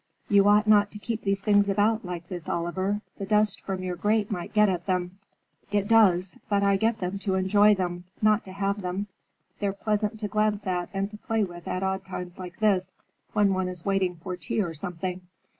"You ought not to keep these things about, like this, Oliver. The dust from your grate must get at them." "It does, but I get them to enjoy them, not to have them. They're pleasant to glance at and to play with at odd times like this, when one is waiting for tea or something."